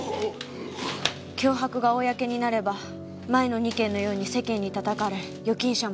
脅迫が公になれば前の２件のように世間に叩かれ預金者も減る。